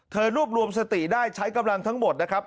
รวบรวมสติได้ใช้กำลังทั้งหมดนะครับ